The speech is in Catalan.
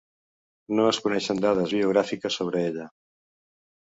No es coneixen dades biogràfiques sobre ella.